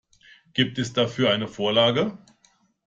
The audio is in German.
Gibt es dafür eine Vorlage?